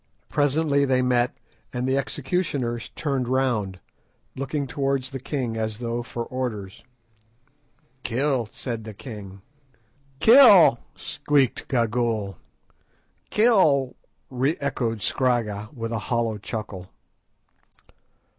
Presently they met, and the executioners turned round, looking towards the king as though for orders. "Kill!" said the king. "Kill!" squeaked Gagool. "Kill!" re echoed Scragga, with a hollow chuckle.